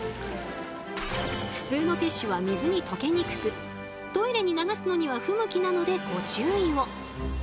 普通のティッシュは水に溶けにくくトイレに流すのには不向きなのでご注意を。